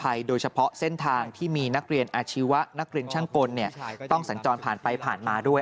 โดยเฉพาะเส้นทางที่มีนักเรียนอาชีวะนักเรียนช่างกลต้องสัญจรผ่านไปผ่านมาด้วย